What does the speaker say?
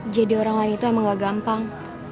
orang lain itu emang gak gampang